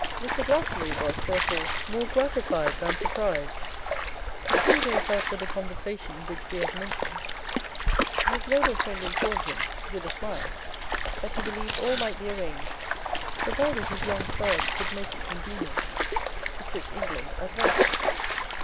Mr. Glastonbury was, therefore, more gratified than surprised when, a few days after the conversation which we have mentioned, his noble friend informed him, with a smile, that he believed all might be arranged, provided his young charge could make it convenient to quit England at once.